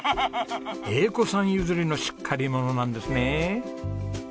英子さん譲りのしっかり者なんですね。